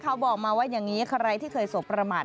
เขาบอกมาว่าอย่างนี้ใครที่เคยสบประมาท